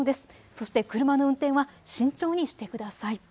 そして車の運転は慎重にしてください。